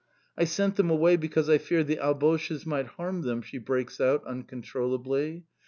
"I sent them away because I feared the Alboches might harm them," she breaks out, uncontrollably.